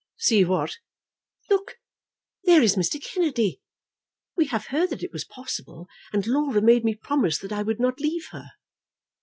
"See what?" "Look; There is Mr. Kennedy. We had heard that it was possible, and Laura made me promise that I would not leave her."